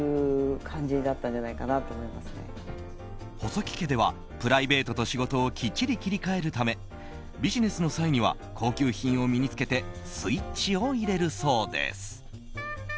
細木家ではプライベートと仕事をきっちり切り替えるためビジネスの際には高級品を身に着けてスイッチを入れるそうです。